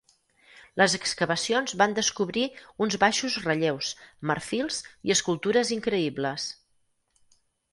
Les excavacions van descobrir uns baixos relleus, marfils i escultures increïbles.